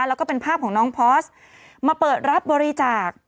แล้วก็เป็นภาพของน้องพอร์สมาเปิดรับบริจาค